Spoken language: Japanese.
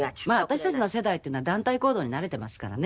私たちの世代っていうのは団体行動に慣れてますからね。